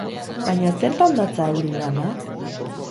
Baina zertan datza euren lana?